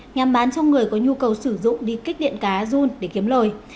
nhằm bán cho người có nhu cầu sử dụng đi kích điện cá jun để kiếm lời